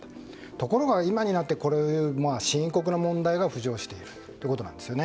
ところが、今になってこういう深刻な問題が浮上しているということなんです。